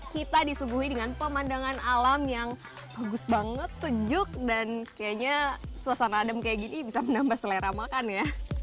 kita disuguhi dengan pemandangan alam yang bagus banget sejuk dan kayaknya suasana adem kayak gini bisa menambah selera makan ya